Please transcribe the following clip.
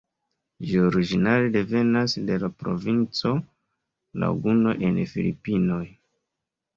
Ĝi originale devenas de la provinco Laguno en Filipinoj.